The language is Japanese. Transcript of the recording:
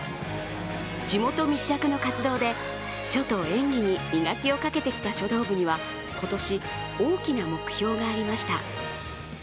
地元密着の活動で、書と演技に磨きをかけてきた書道部には今年、大きな目標がありました。